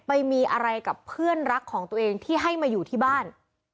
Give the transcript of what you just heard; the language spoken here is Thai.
ไปมีอะไรกับเพื่อนรักของตัวเองที่ให้มาอยู่ที่บ้าน